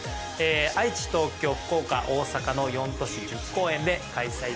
愛知東京福岡大阪の４都市１０公演で開催です